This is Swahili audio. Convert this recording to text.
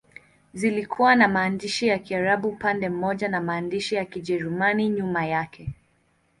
Zilikuwa na maandishi ya Kiarabu upande mmoja na maandishi ya Kijerumani nyuma yake.